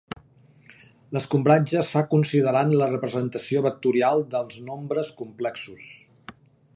L'escombratge es fa considerant la representació vectorial dels nombres complexos.